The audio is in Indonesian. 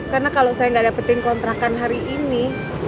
karena kalau saya gak dapetin kontrakan hari ini